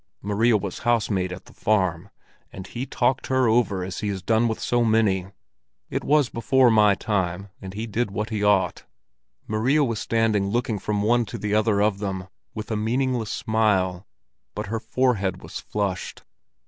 "Maria was housemaid at the farm, and he talked her over as he has done with so many. It was before my time, and he did what he ought." Maria was standing looking from one to the other of them with a meaningless smile, but her forehead was flushed.